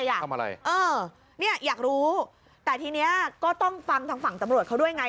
อยากทำอะไรเออเนี่ยอยากรู้แต่ทีนี้ก็ต้องฟังทางฝั่งตำรวจเขาด้วยไง